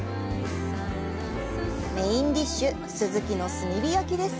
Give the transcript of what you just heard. メインディッシュ、スズキの炭火焼きです。